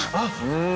うん。